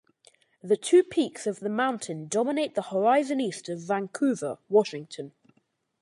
The two peaks of the mountain dominate the horizon east of Vancouver, Washington.